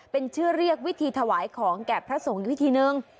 เป็นชื่อเรียกวิธีถวายของแก่พระสงฆ์อยู่วิธีนึง